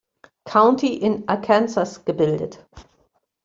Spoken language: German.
County in Arkansas gebildet.